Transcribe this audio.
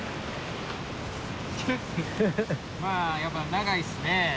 まあやっぱ長いっすね。